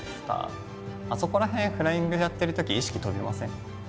あそこら辺フライングやってるとき意識飛びません？